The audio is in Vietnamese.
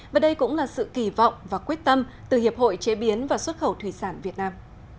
và đây cũng là sự kỳ vọng và quyết tâm từ hiệp hội chế biến và xuất khẩu thủy sản việt nam